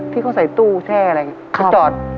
ที่เขาใส่ตู้แช่อะไรอย่างนี้